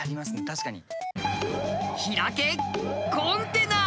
確かに。